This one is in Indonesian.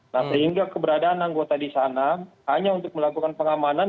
nah sehingga keberadaan anggota di sana hanya untuk melakukan pengamanan